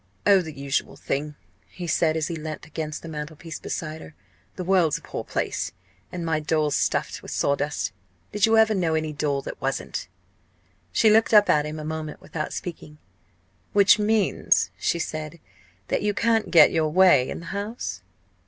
"Oh, the usual thing!" he said, as he leant against the mantelpiece beside her. "The world's a poor place, and my doll's stuffed with sawdust. Did you ever know any doll that wasn't?" She looked up at him a moment without speaking. "Which means," she said, "that you can't get your way in the House?"